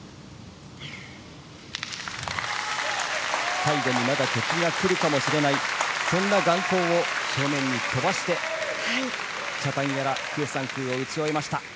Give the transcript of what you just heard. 最後にまだ敵が来るかもしれないそんな眼光を正面に飛ばしてチャタンヤラクーサンクーを締めました。